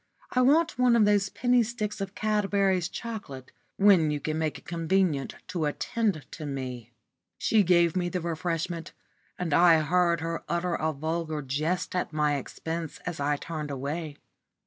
"I want one of those penny sticks of Cadbury's chocolate, when you can make it convenient to attend to me." She gave me the refreshment, and I heard her utter a vulgar jest at my expense as I turned away.